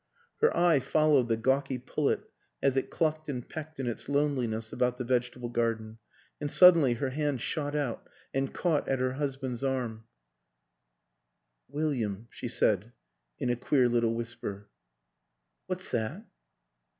Her eye followed the gawky pullet as it clucked and pecked in its loneliness about the vegetable garden and suddenly her hand shot out and caught at her husband's arm. 70 WILLIAM AN ENGLISHMAN " William," she said in a queer little whisper, "what's that?"